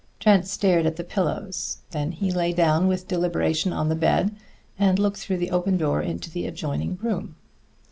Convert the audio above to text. Trent stared at the pillows; then he lay down with deliberation on the bed and looked through the open door into the adjoining room.